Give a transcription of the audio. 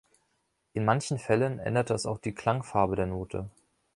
In manchen Fällen ändert es auch die Klangfarbe der Note.